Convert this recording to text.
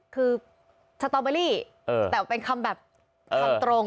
คือสตอเบอรี่แต่เป็นคำแบบคำตรง